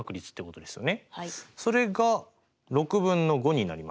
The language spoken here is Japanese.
それが６分の５になります。